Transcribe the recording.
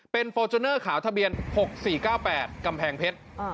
เป็นฟอร์จูเนอร์ขาวทะเบียน๖๔๙๘กำแพงเพชร